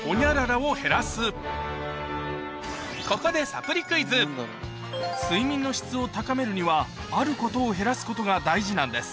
ここで睡眠の質を高めるにはあることを減らすことが大事なんです